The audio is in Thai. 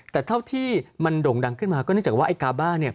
แต่เท่าที่มันด่งดังขึ้นมาก็นึกจากว่ากาบ่า